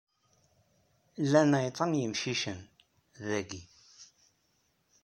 Llan ɛiṭa n yemcicen, dayyi!